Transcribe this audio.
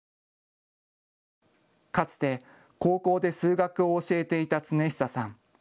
かつて高校で数学を教えていた亘久さん。